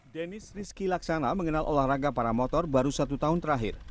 deniz rizky laksana mengenal olahraga para motor baru satu tahun terakhir